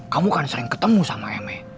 kamu kan sering ketemu sama my